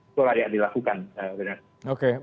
itu layak dilakukan